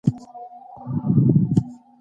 دوی اوس خوشحاله دي.